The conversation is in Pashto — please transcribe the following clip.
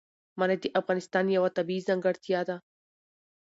منی د افغانستان یوه طبیعي ځانګړتیا ده.